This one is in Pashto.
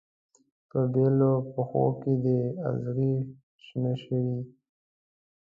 په یبلو پښو کې دې اغزې شنه شوي